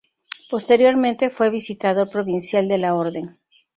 Posteriormente fue Visitador provincial de la Orden.